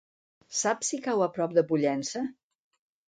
Saps si cau a prop de Pollença?